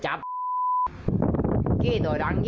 โจทย์กับกว้าย